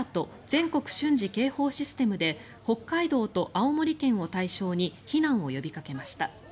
・全国瞬時警報システムで北海道と青森県を対象に避難を呼びかけました。